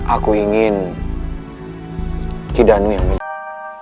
aku ingin kidanu yang menjaga